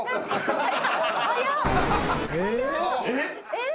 えっ！？